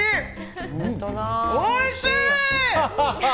おいしい！